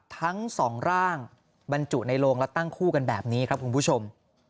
ทั้งสองร่างบรรจุในโลงและตั้งคู่กันแบบนี้ครับคุณผู้ชม